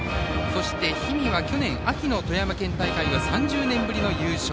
氷見は、去年秋の富山県大会は３０年ぶりの優勝。